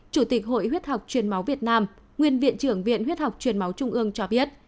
chủ tịch hội huyết học truyền máu việt nam nguyên viện trưởng viện huyết học truyền máu trung ương cho biết